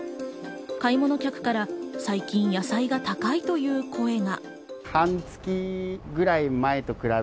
買い物客から最近、野菜が高いという声が。